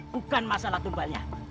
bukan masalah tumbalnya